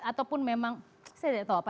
ataupun memang saya tidak tahu apa